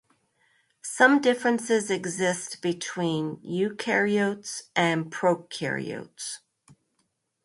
Some differences exist between eukaryotes and prokaryotes.